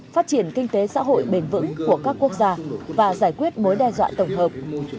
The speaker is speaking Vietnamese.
phát triển kinh tế xã hội bền vững của các quốc gia và giải quyết mối đe dọa tổng hợp